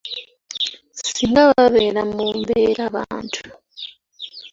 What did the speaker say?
Singa babeera mu mbeerabantu.